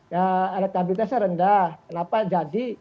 ya elektabilitasnya rendah kenapa jadi